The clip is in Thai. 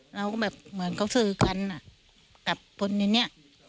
เราก็แบบเหมือนเขาสื่อกันกับคนในนี้